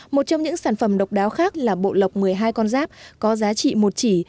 một trong những sản phẩm độc đáo khác là bộ lọc một mươi hai con giáp có giá trị một chỉ